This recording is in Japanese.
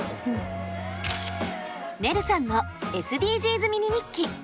ねるさんのＳＤＧｓミニ日記。